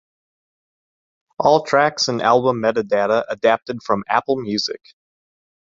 All tracks and album metadata adapted from Apple Music.